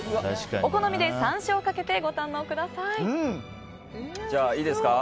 お好みで山椒をかけてご堪能ください。